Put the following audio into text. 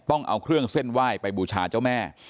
ต้องเอาเครื่องเส้นไหว้ไปบูชาเจ้าแม่